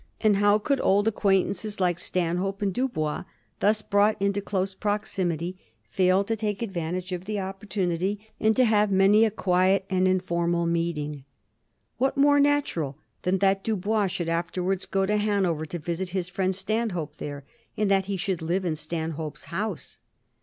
And how could old acquaintances hke Stanhope and Dubois, thus brought into close proxi mity, fisdl to take advantage of the opportunity, and to have many a quiet, informal meeting ? What more natural than that Dubois should afterwards go to Hanover to visit his firiend Stanhope there, and that he should live in Stanhope's house